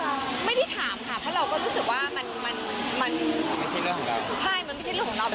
ไม่ทราบเลยค่ะไม่รู้เลยไม่ได้ถามค่ะเพราะเราก็รู้สึกว่ามันไม่ใช่เรื่องของเรา